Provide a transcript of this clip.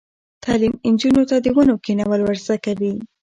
تعلیم نجونو ته د ونو کینول ور زده کوي.